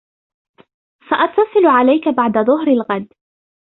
سأتصل عليك بعد ظهر الغد.